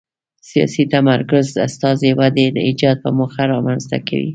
سیاسي تمرکز استثاري ودې ایجاد په موخه رامنځته کوي.